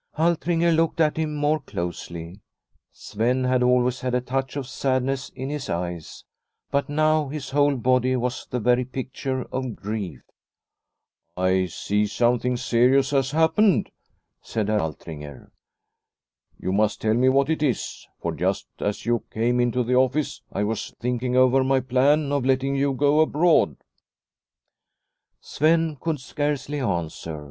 Altringer looked at him more closely. Sven had always had a touch of sadness in his eyes, but now his whole body was the very picture of grief. " I see something serious has hap pened," said Herr Altringer. " You must tell me what it is, for just as you came into the office I was thinking over my plan of letting you go abroad." Sven could scarcely answer.